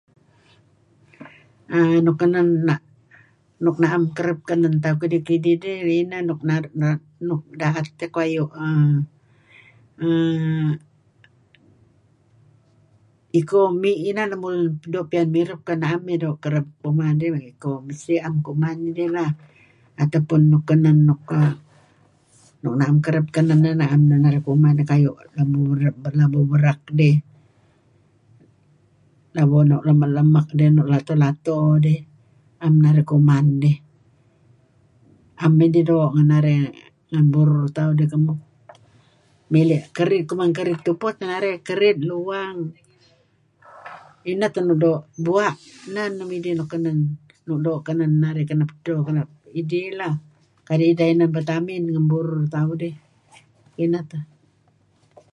err ]Nuk kenen nuk na'en kereb kenen tauh kididh-kidih eh ineh nuk naru' kuayu' daet dih kuayu' err iko [unintelligible] inan lun doo' piyan mirup am idih doo' tu'en atau pun nuk kenen nuk na'em kereb kenen kuayu' labo berek dih labo nuk lemek-lemek dih lato-lato dih am narih kuman dih am idih doo' ngen burur tauh dih kemuh. Mili' kerid, kuman kerid tupu teh narih, luwang, ineh teh nuk doo', bua' teh nuk doo' kenen narih kenep edto, kenep idih lah kadi ideh inan vitamin lem burur tauh dih. Ineh teh.